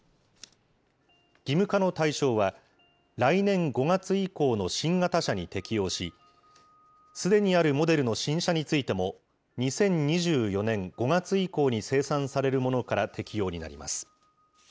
義務化の対象は、来年５月以降の新型車に適用し、すでにあるモデルの新車についても、２０２４年５月以降に生産されるものから適用になります。